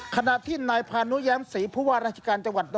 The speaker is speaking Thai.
ขณะที่นายพานุแย้มศรีผู้ว่าราชการจังหวัด